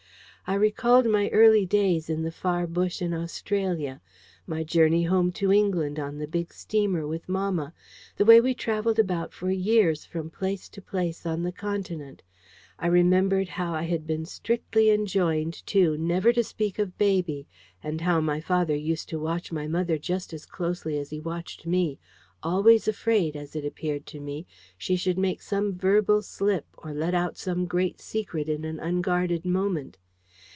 I recalled my early days in the far bush in Australia; my journey home to England on the big steamer with mamma; the way we travelled about for years from place to place on the Continent. I remembered how I had been strictly enjoined, too, never to speak of baby; and how my father used to watch my mother just as closely as he watched me, always afraid, as it appeared to me, she should make some verbal slip or let out some great secret in an unguarded moment.